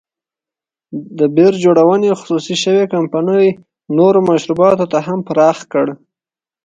د بیر جوړونې خصوصي شوې کمپنۍ نورو مشروباتو ته هم پراخ کړ.